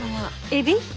エビ？